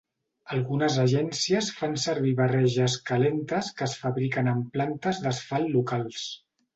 Algunes agències fan servir barreges calentes que es fabriquen en plantes d'asfalt locals.